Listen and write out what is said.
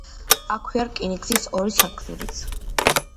აქვეა რკინიგზის ორი სადგურიც.